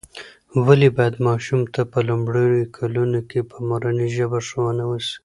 ولې باید ماشوم ته په لومړیو کلونو کې په مورنۍ ژبه ښوونه وسي؟